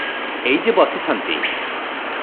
ଏଇ ଯେ ବସିଛନ୍ତି ।